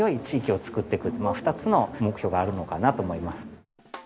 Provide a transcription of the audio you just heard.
２つの目標があるのかなと思います。